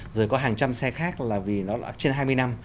rồi có hàng trăm xe khác là vì nó là trên hai mươi năm